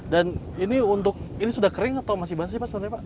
dan ini sudah kering atau masih basi pak